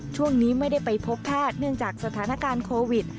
ช่วงนี้ไม่ได้ไปพบแพทย์เนื่องจากสถานการณ์โควิด